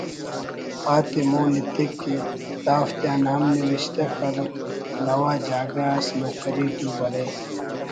آ تے مون ایتک کہ ”دافتیا ہم نوشتہ کر نوا جاگہ اس نوکری دو برے